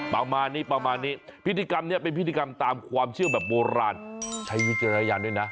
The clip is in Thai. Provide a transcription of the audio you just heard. ประมาณนี้ประมาณนี้พิธีกรรมนี้เป็นพิธีกรรมตามความเชื่อแบบโบราณใช้วิจารณญาณด้วยนะ